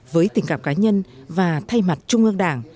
với tình cảm cá nhân và thay mặt trung ương đảng